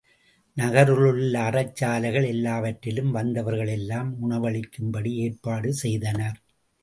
நகரிலுள்ள அறச் சாலைகள் எல்லாவற்றிலும் வந்தவர்களுக்கெல்லாம் உணவளிக்கும்படி ஏற்பாடு செய்தனர்.